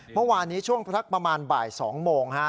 เมื่อวานนี้ช่วงพระทักษมณ์ประมาณบ่ายสองโมงฮะ